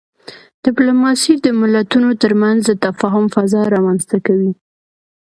ډيپلوماسي د ملتونو ترمنځ د تفاهم فضا رامنځته کوي.